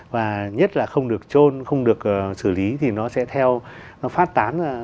và nhất là không được trôn không được xử lý thì nó sẽ theo nó phát tán ra